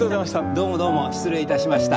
どうもどうも失礼いたしました。